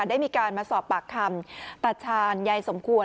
ได้มีการมาสอบปากคำตาชาญยายสมควร